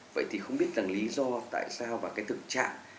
vậy thì không biết rằng lý do tại sao và cái thực trạng